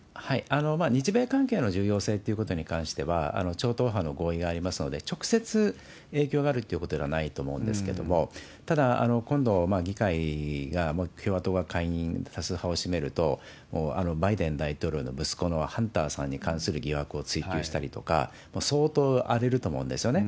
日米関係の重要性ということに関しては、超党派の合意がありますので、直接影響があるっていうことではないと思うんですけれども、ただ、今度、議会が目標は下院は多数派を占めると、あのバイデン大統領の息子のハンターさんに関する疑惑を追及したりとか、相当荒れると思うんですよね。